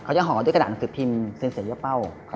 เขาจะหอด้วยกระด่าหนังสือพิมพ์เซ็นเซยัวเป้า